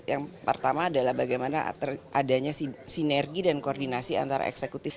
yang pertama adalah bagaimana adanya sinergi dan koordinasi antara eksekutif